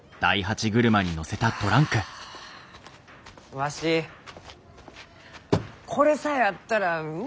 わしこれさえあったらう